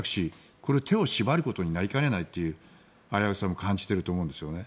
これ、手を縛ることになりかねないという危うさも感じていると思うんですよね。